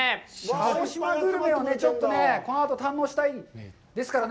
鹿児島グルメをこのあと堪能したいですね。